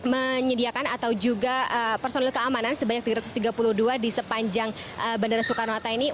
menyediakan atau juga personil keamanan sebanyak tiga ratus tiga puluh dua di sepanjang bandara soekarno hatta ini